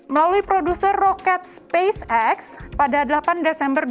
melalui produser roket spacex pada delapan desember dua ribu dua puluh